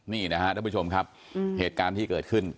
นี่นะครับท่านผู้ชมครับเหตุการณ์ที่เกิดขึ้น